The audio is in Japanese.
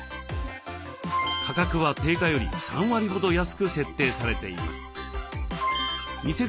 価格は定価より３割ほど安く設定されています。